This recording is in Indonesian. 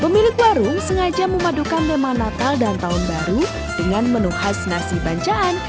pemilik warung sengaja memadukan tema natal dan tahun baru dengan menu khas nasi bancaan